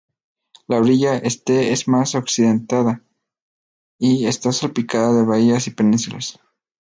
La orilla este es más accidentada, y está salpicada de bahías y penínsulas.